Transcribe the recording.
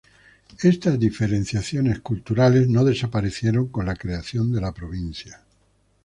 Estas diferenciaciones culturales no desaparecieron con la creación de la provincia.